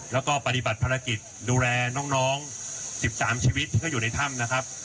แล้วก็ปฏิบัติภารกิจดูแลน้อง๑๓ชีวิตที่อยู่ในถ้ำนะครับ